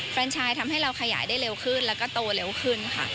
แฟนชายทำให้เราขยายได้เร็วขึ้นแล้วก็โตเร็วขึ้นค่ะ